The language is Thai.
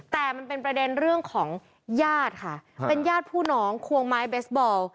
แต่มันเป็นประเด็นเรื่องของญาติค่ะเป็นญาติผู้น้องควงไม้เบสบอล